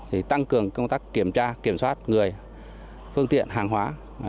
thì tăng cường công tác kiểm tra kiểm soát người phương tiện hàng hóa